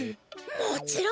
もちろんだ。